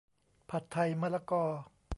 ผัดไทยมะละกอ